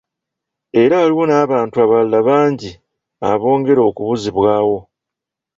Era waliwo n'abantu abalala bangi abongera okubuzibwawo.